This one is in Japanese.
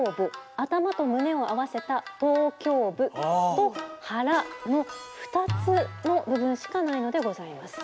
頭と胸を合わせた頭胸部と「はら」の２つの部分しかないのでございます。